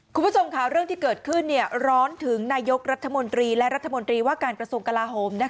คุณผู้ชมค่ะเรื่องที่เกิดขึ้นร้อนถึงนายกรัฐมนตรีและรัฐมนตรีว่าการกระทรวงกลาโหม